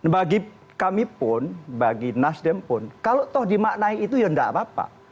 bagi kami pun bagi nasdem pun kalau toh dimaknai itu ya tidak apa apa